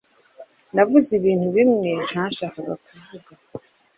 Navuze ibintu bimwe ntashakaga kuvuga